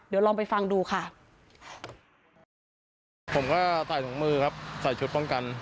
เดี๋ยวลองไปฟังดูค่ะผมก็ใส่ถุงมือครับใส่ชุดป้องกัน